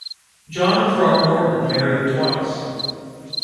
John Throckmorton married twice.